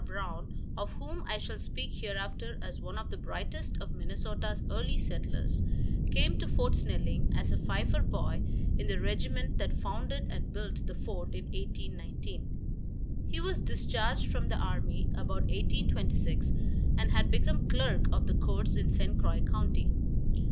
Brown, of whom I shall speak hereafter as one of the brightest of Minnesota's early settlers, came to Fort Snelling as a fifer boy in the regiment that founded and built the fort in 1819. He was discharged from the army about 1826, and had become clerk of the courts in St. Croix county.